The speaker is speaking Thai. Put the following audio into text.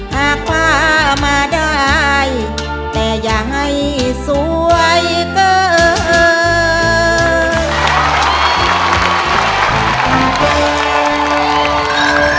หากฟ้ามาได้แต่อย่าให้สวยเกิน